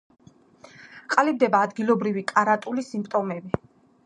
ყალიბდება ადგილობრივი კატარული სიმპტომები.